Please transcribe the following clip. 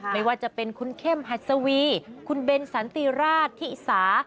ไม่ว่าจะเป็นคุณเข้มหัสวีคุณเบนสันติราชที่อิสา